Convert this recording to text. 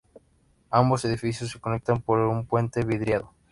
Ambos edificios se conectan por un puente vidriado.